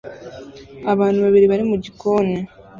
Abantu babiri bari mu gikoni